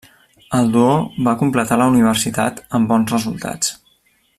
El duo va completar la universitat amb bons resultats.